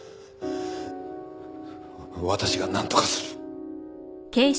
私がなんとかする。